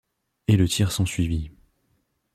Et le tir s'ensuivit.